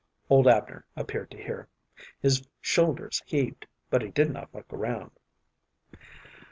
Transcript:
Old Abner appeared to hear. His shoulders heaved, but he did not look around.